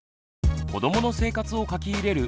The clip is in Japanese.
子どもの生活を書き入れる